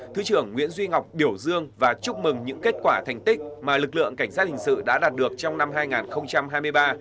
thứ trưởng nguyễn duy ngọc biểu dương và chúc mừng những kết quả thành tích mà lực lượng cảnh sát hình sự đã đạt được trong năm hai nghìn hai mươi ba